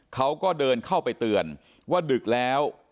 เขาก็เดินเข้าไปเตือนว่าดึกแล้ว